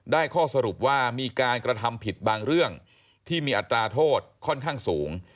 ข้อสรุปว่ามีการกระทำผิดบางเรื่องที่มีอัตราโทษค่อนข้างสูง